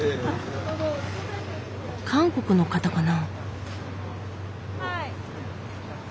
韓国の方かな？